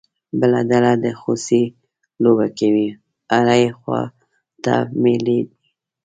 بله ډله د خوسی لوبه کوي، هرې خوا ته مېلې دي.